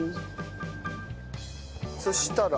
そしたら？